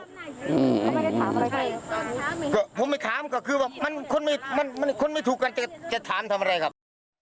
อืมเขาไม่ได้ถามอะไรข้างนี้ผมไม่ถามก็คือว่ามันคนไม่ถูกกันจะถามทำอะไรครับ